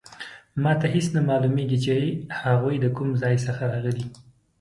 ما ته هیڅ نه معلومیږي چې هغوی د کوم ځای څخه راغلي